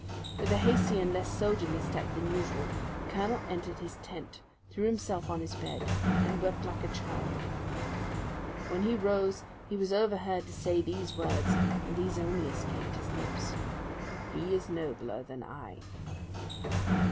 With a hasty and less soldierly step than usual the colonel entered his tent, threw himself on his bed and wept like a child. When he rose he was overheard to say these words and these only escaped his lips: "He is nobler than I."